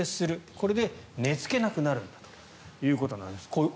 これで寝付けなくなるということなんです。